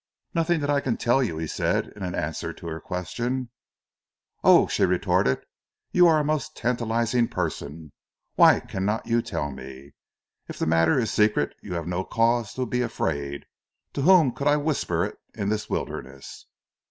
"Nothing that I can tell you," he said in answer to her question. "Oh!" she retorted, "you are a most tantalizing person. Why cannot you tell me? If the matter is secret you have no cause to be afraid. To whom could I whisper it in this wilderness?"